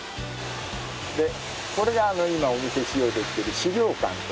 これが今お見せしようとしている資料館という。